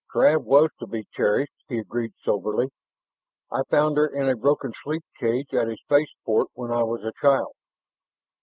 "Trav was to be cherished," he agreed soberly. "I found her in a broken sleep cage at a spaceport when I was a child.